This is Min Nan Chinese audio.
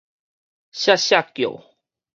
削削叫